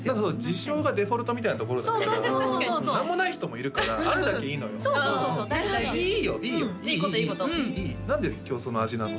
自称がデフォルトみたいなところだから何もない人もいるからあるだけいいのよいいよいいよいいいいいいいいこといいこと何で今日その味なの？